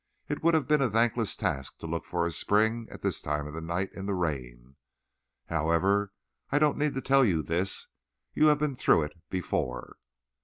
It would have been a thankless task to look for a spring at this time of the night in the rain. However, I don't need to tell you this. You have been through it before."